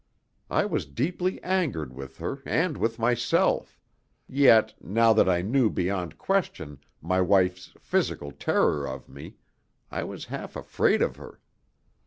I was deeply angered with her and with myself; yet, now that I knew beyond question my wife's physical terror of me, I was half afraid of her.